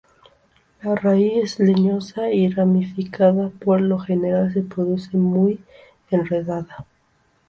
La raíz es leñosa y ramificada, por lo general se produce muy enredada.